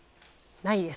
ないです。